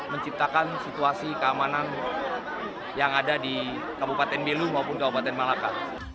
menciptakan situasi keamanan yang ada di kabupaten belu maupun kabupaten malaka